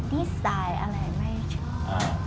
นิสัยอะไรไม่ชอบ